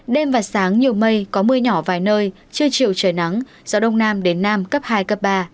đêm và sáng nhiều mây có mưa nhỏ vài nơi chưa chiều trời nắng gió đông nam đến nam cấp hai cấp ba